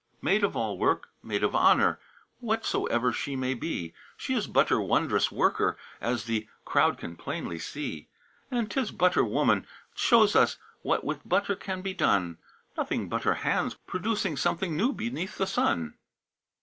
V. "Maid of all work, maid of honor, Whatsoever she may be, She is butter wondrous worker, As the crowd can plainly see. And 'tis butter woman shows us What with butter can be done, Nothing butter hands producing Something new beneath the sun.